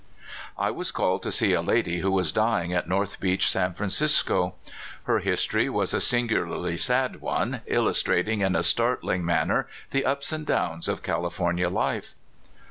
I was called to see a lady who was dying at North Beach, San Francisco. Her historv was a singularly sad one, illustrating in a startling man ner the ups and downs of California life.